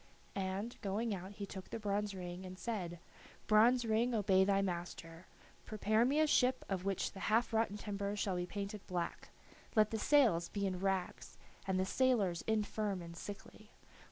And, going out, he took the bronze ring and said: "Bronze ring, obey thy master. Prepare me a ship of which the half rotten timbers shall be painted black, let the sails be in rags, and the sailors infirm and sickly.